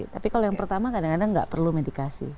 tapi kalau yang pertama kadang kadang nggak perlu medikasi